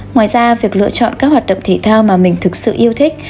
ngoài ra việc lựa chọn các hoạt động thể thao mà mình thực sự yêu thích